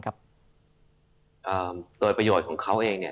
โดยประโยชน์ของเขาเอง